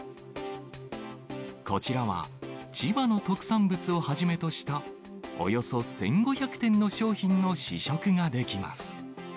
こちらは、千葉の特産物をはじめとした、およそ１５００点の商品の試食ができます。